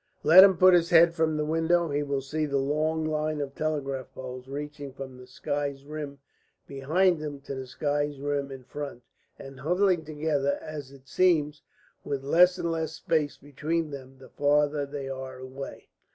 Let him put his head from the window, he will see the long line of telegraph poles reaching from the sky's rim behind him to the sky's rim in front, and huddling together, as it seems, with less and less space between them the farther they are away.